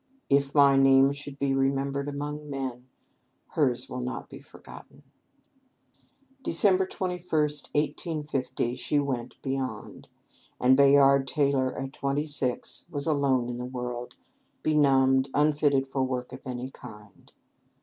If my name should be remembered among men, hers will not be forgotten." Dec. 21, 1850, she went beyond; and Bayard Taylor at twenty six was alone in the world, benumbed, unfitted for work of any kind.